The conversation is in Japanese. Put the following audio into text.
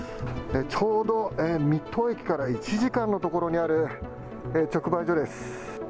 ちょうど水戸駅から１時間の所にある直売所です。